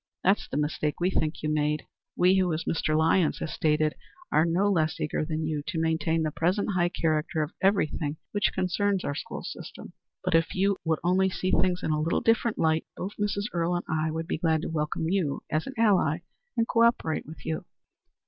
That's the mistake we think you make we who, as Mr. Lyons has stated, are no less eager than you to maintain the present high character of everything which concerns our school system. But if you only would see things in a little different light, both Mrs. Earle and I would be glad to welcome you as an ally and to co operate with you."